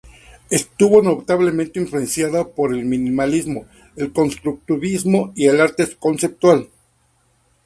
Estuvo notablemente influenciada por el minimalismo, el constructivismo y el arte conceptual.